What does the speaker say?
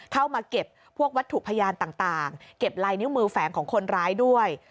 เข้ามาเก็บพวกวัตถุพยานต่างเก็บลายนิ้วมือแฝงของคนร้ายด้วย